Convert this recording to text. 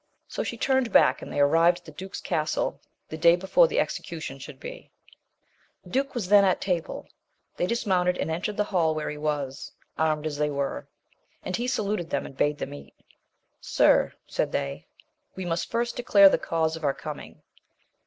So she turned back, and they arrived at the duke's castle t]?e day before the execution should be. The duke was then at table ; they dis mounted, and entered the hall where he was, armed as they were ; and he saluted them, and bade them eat. Sir, said they, we must first declare the cause of our coming.